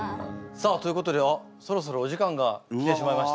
さあということであっそろそろお時間が来てしまいました。